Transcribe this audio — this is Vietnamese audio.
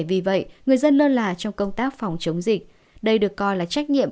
vì vậy người dân lơ là trong công tác phòng chống dịch đây được coi là trách nhiệm